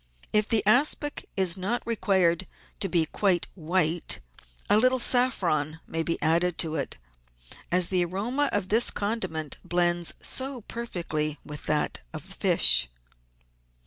If the aspic is not required to be quite white, a little saffron may be added to it, as the aroma of this condiment blends so perfectly with that of fish.